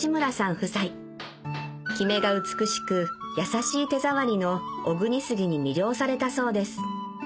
夫妻きめが美しく優しい手触りの小国杉に魅了されたそうです